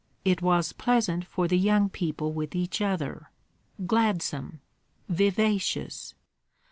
It was pleasant for the young people with each other, gladsome, vivacious.